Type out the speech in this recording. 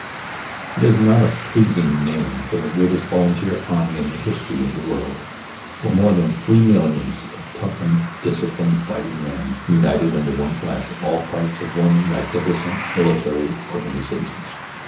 It is not a pleasing name for the greatest volunteer army in the history of the world; for more than three millions of toughened, disciplined fighting men, united under one flag, all parts of one magnificent military organization.